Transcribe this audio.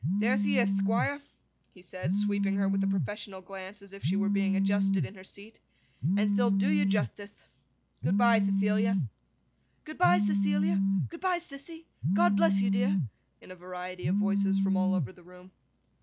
'There the ith, Thquire,' he said, sweeping her with a professional glance as if she were being adjusted in her seat, 'and the'll do you juthtithe. Good bye, Thethilia!' 'Good bye, Cecilia!' 'Good bye, Sissy!' 'God bless you, dear!' In a variety of voices from all the room.